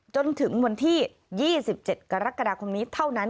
จนถึงวันที่๒๗กรกฎาคมนี้เท่านั้น